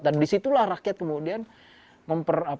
dan disitulah rakyat kemudian memperkenalkan